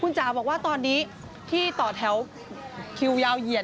จ๋าบอกว่าตอนนี้ที่ต่อแถวคิวยาวเหยียด